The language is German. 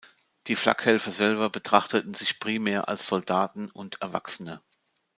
Die Flakhelfer selber betrachteten sich primär als Soldaten und Erwachsene.